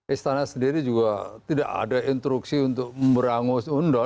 istana sendiri juga tidak ada instruksi untuk memberangus undang undang